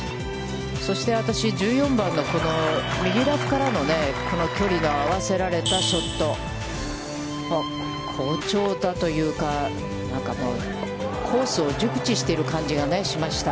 そして私、１４番のこの右ラフからのこの距離の合わせられたショット、好調だというか、コースを熟知している感じがしました。